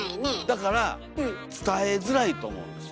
だから伝えづらいと思うんですよ。